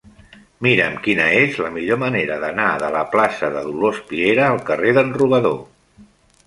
Mira'm quina és la millor manera d'anar de la plaça de Dolors Piera al carrer d'en Robador.